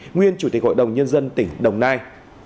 nguyên chủ tịch hội đồng nhân dân tỉnh đồng nai